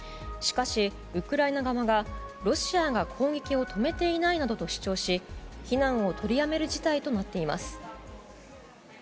しかし、ウクライナ側がロシアが攻撃をとめていないなどと主張し避難を取りやめる事態となっています。